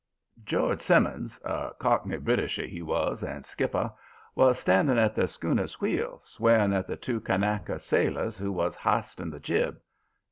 "George Simmons a cockney Britisher he was, and skipper was standing at the schooner's wheel, swearing at the two Kanaka sailors who were histing the jib.